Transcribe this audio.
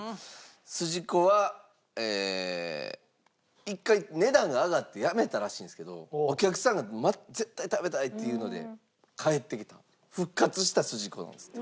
すじこは一回値段が上がってやめたらしいんですけどお客さんが「絶対食べたい」って言うので帰ってきた復活したすじこなんですって。